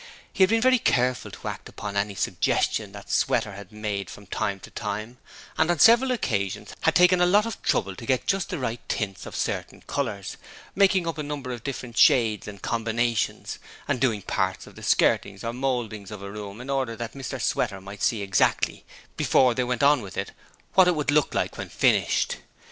He had been very careful to act upon any suggestions that Sweater had made from time to time and on several occasions had taken a lot of trouble to get just the right tints of certain colours, making up a number of different shades and combinations, and doing parts of the skirtings or mouldings of rooms in order that Mr Sweater might see exactly before they went on with it what it would look like when finished.